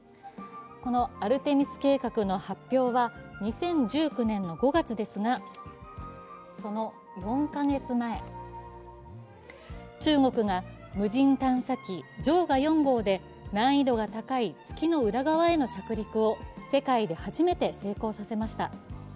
このアルテミス計画の発表は２０１９年の５月ですが、その４か月前、中国が無人探査機「嫦娥４号」で難易度が高い月の裏側への着陸を世界で初めて成功させました。